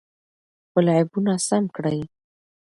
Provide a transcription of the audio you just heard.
خپل عیبونه سم کړئ.